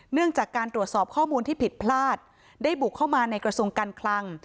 เนื่องจากการตรวจสอบข้อมูลที่ผิดพลาดได้บุกเข้ามาในกระทรวงการคลัง